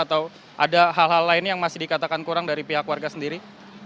atau ada hal hal lain yang masih dikatakan kurang dari pihak warga sendiri